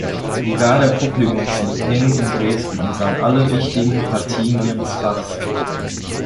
Sie war der Publikumsliebling in Dresden und sang alle wichtigen Partien ihres Fachs.